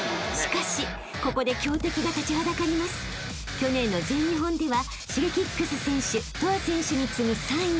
［去年の全日本ではＳｈｉｇｅｋｉｘ選手ＴＯＡ選手に次ぐ３位］